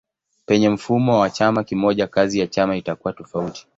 Penye mfumo wa chama kimoja kazi ya chama itakuwa tofauti.